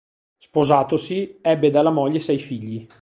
Sposatosi, ebbe dalla moglie sei figli.